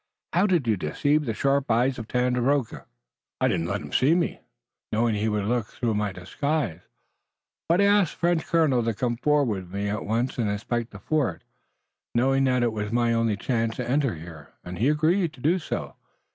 How did you deceive the sharp eyes of Tandakora?" "I did not let him see me, knowing he would look through my disguise, but I asked the French colonel to come forward with me at once and inspect the fort, knowing that it was my only chance to enter here, and he agreed to do so.